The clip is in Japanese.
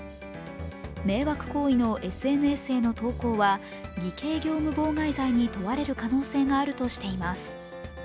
迷惑行為のＳＮＳへの投稿は偽計業務妨害罪に問われる可能性があるとしています。